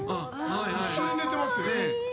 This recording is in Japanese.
一緒に寝てますよね。